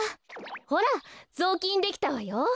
ほらぞうきんできたわよ。